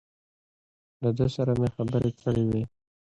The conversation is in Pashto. له ده سره مې خبرې کړې وې.